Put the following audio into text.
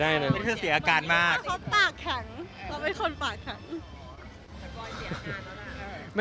มั๊ยมันมีเดีรสิตละ